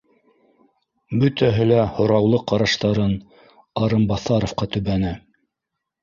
Бөтәһе лә һораулы ҡараштарын Лрыибаҫаровҡа төбәне